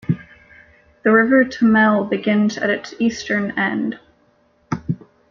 The River Tummel begins at its eastern end.